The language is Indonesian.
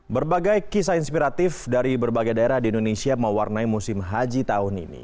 berbagai kisah inspiratif dari berbagai daerah di indonesia mewarnai musim haji tahun ini